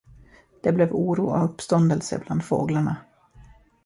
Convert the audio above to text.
Det blev oro och uppståndelse bland fåglarna.